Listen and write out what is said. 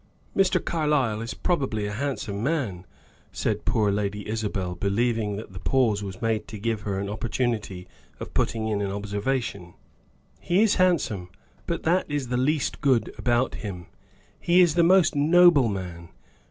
"Mr. Carlyle is probably a handsome man!" said poor Lady Isabel, believing that the pause was made to give her an opportunity of putting in an observation. "He is handsome: but that is the least good about him. He is the most noble man!